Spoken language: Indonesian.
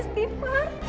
kenapa kamu benarkah